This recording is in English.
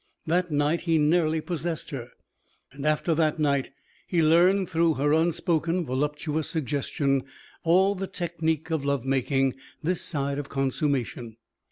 That night he nearly possessed her, and after that night he learned through her unspoken, voluptuous suggestion all the technique of love making this side of consummation.